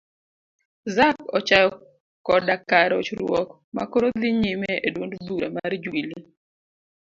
Zac ochayo koda ka rochruok makoro dhi nyime e duond bura mar jubilee